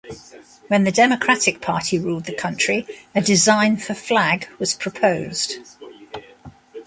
When the Democratic Party ruled the country, a design for flag was proposed.